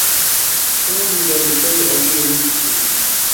کُنِݵ بَرِشݳئی ہَگِݵ رِم چھݵس.